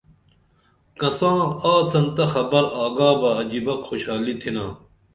کساں آڅن تہ خبر آگا بہ عجِبہ کھوشالی تِھنا